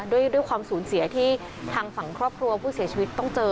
ด้วยความสูญเสียที่ทางฝั่งครอบครัวผู้เสียชีวิตต้องเจอ